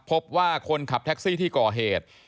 พบว่าคนขับแท็กซี่ที่ก่อเหตุ